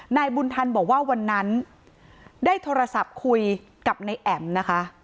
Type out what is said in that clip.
นายบุญธันบอกว่าวันนั้นได้โทรศัพท์คุยกับนายแอ๋มนะคะ